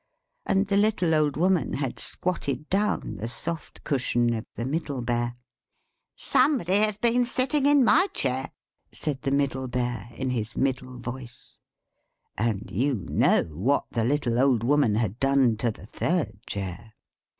And the little Old Woman had squashed the soft cushion of the Middle Sized Bear. "=Somebody has been sitting in my chair!=" said the Middle Sized Bear, in her middle sized voice. And you know what the little Old Woman had done to the third chair.